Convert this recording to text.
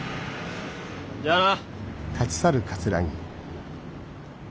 じゃあな。